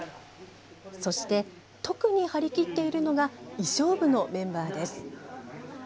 そして特に張り切っているのが衣装部のメンバーです。